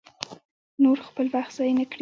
نور خپل وخت ضایع نه کړي.